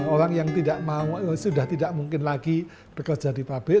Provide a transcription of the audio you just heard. orang yang tidak mau sudah tidak mungkin lagi bekerja di pabrik